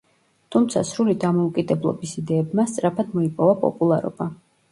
თუმცა სრული დამოუკიდებლობის იდეებმა სწრაფად მოიპოვა პოპულარობა.